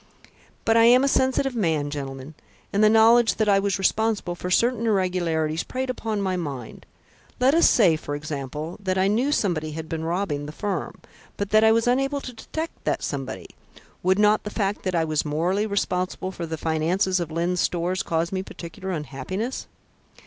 "But I am a sensitive man, gentlemen; and the knowledge that I was responsible for certain irregularities preyed upon my mind. Let us say, for example, that I knew somebody had been robbing the firm, but that I was unable to detect that somebody. Would not the fact that I was morally responsible for the finances of Lyne's Stores cause me particular unhappiness?"